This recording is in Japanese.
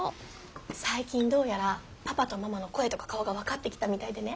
最近どうやらパパとママの声とか顔が分かってきたみたいでね